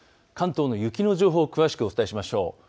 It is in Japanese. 関東の雪の情報を詳しくお伝えしましょう。